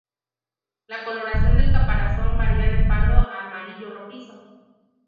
La coloración del caparazón varía de pardo a amarillo rojizo.